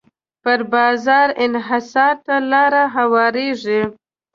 پر بازار انحصار ته لاره هواریږي.